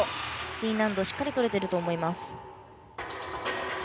Ｄ難度しっかり取れていると思います。